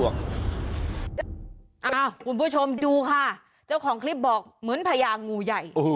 คุณผู้ชมดูค่ะเจ้าของคลิปบอกเหมือนพญางูใหญ่